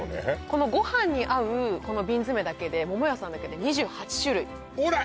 このご飯に合うこの瓶詰だけで桃屋さんだけで２８種類ほら！